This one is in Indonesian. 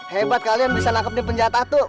hebat kalian bisa nangkep nih penjahat atuh